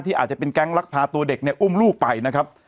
อาจจะเป็นแก๊งลักพาตัวเด็กเนี่ยอุ้มลูกไปนะครับ